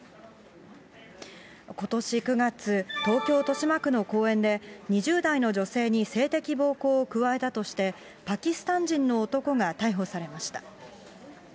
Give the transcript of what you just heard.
ことし９月、東京・豊島区の公園で、２０代の女性に性的暴行を加えたとして、パキスタン人の男が逮捕されました。